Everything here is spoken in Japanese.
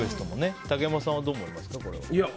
竹山さんはどう思います？